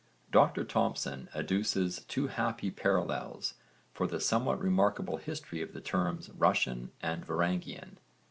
Dr Thomsen adduces two happy parallels for the somewhat remarkable history of the terms 'Russian' and 'Varangian.'